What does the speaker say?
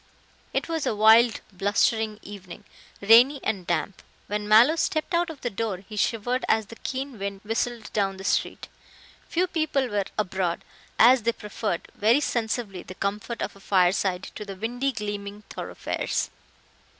It was a wild, blustering evening, rainy and damp. When Mallow stepped out of the door he shivered as the keen wind whistled down the street. Few people were abroad, as they preferred, very sensibly, the comfort of a fireside to the windy, gleaming thoroughfares.